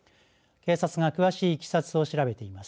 警察が詳しいいきさつを調べています。